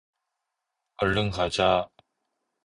얼른 가자